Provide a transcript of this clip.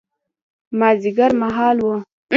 مازیګر مهال و.